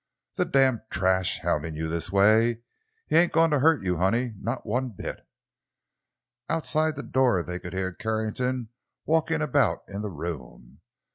"The damn trash—houndin' you this way! He ain' goin' to hurt you, honey—not one bit!" Outside the door they could hear Carrington walking about in the room.